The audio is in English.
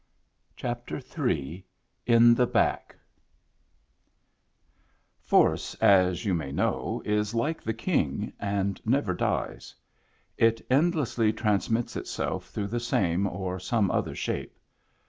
Digitized by Google Ill IN THE BACK Force, as you may know, is like the King, and never dies. It endlessly transmits itself through the same or some other shape.